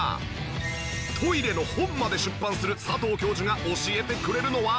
トイレの本まで出版する佐藤教授が教えてくれるのは？